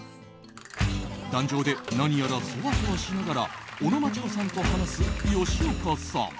壇上で何やらソワソワしながら尾野真千子さんと話す吉岡さん。